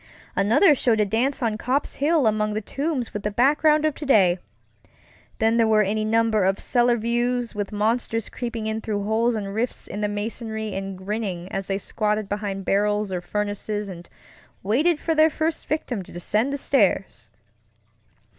Another showed a dance on Copp's Hill among the tombs with the background of today. Then there were any number of cellar views, with monsters creeping in through holes and rifts in the masonry and grinning as they squatted behind barrels or furnaces and waited for their first victim to descend the stairs.